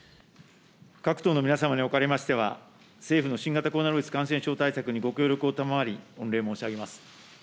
各党の皆様におかれましては、政府の新型コロナウイルス感染症対策にご協力を賜り、御礼申し上げます。